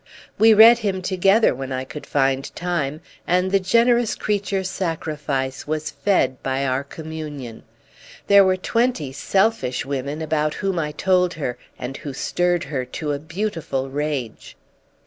We read him together when I could find time, and the generous creature's sacrifice was fed by our communion. There were twenty selfish women about whom I told her and who stirred her to a beautiful rage.